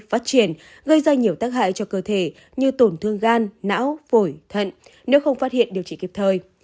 phát triển gây ra nhiều tác hại cho cơ thể như tổn thương gan não phổi thận nếu không phát hiện điều trị kịp thời